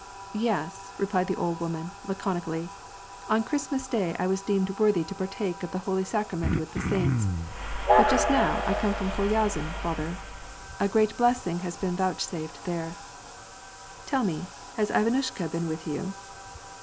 "Yes," replied the old woman, laconically. "On Christmas day I was deemed worthy to partake of the holy sacrament with the saints. But just now I come from Kolyazin, father ; a great blessing has been vouchsafed there "— "Tell me, has Ivanushka been with you